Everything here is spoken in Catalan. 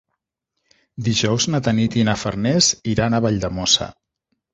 Dijous na Tanit i na Farners iran a Valldemossa.